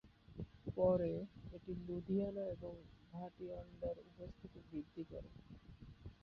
পরে, এটি লুধিয়ানা এবং ভাটিণ্ডায় উপস্থিতি বৃদ্ধি করে।